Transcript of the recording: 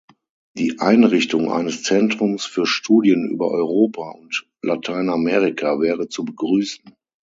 Die Einrichtung eines Zentrums für Studien über Europa und Lateinamerika wäre zu begrüßen.